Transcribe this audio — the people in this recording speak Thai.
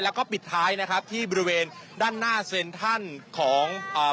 แล้วก็ปิดท้ายนะครับที่บริเวณด้านหน้าเซ็นทรัลของอ่า